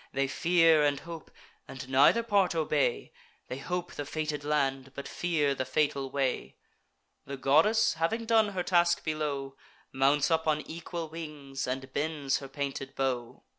They fear, and hope, and neither part obey: They hope the fated land, but fear the fatal way. The goddess, having done her task below, Mounts up on equal wings, and bends her painted bow.